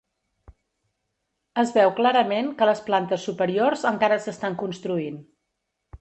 Es veu clarament que les plantes superiors encara s'estan construint.